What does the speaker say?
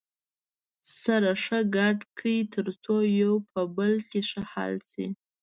سره ښه ګډ کړئ تر څو یو په بل کې ښه حل شي.